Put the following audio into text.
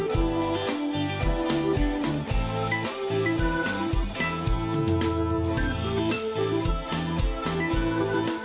สวัสดีครับ